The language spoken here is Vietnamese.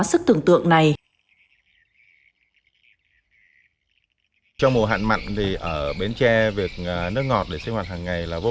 sức tưởng tượng này trong mùa hạn mặn thì ở bến tre việc nước ngọt để sinh hoạt hàng ngày là vô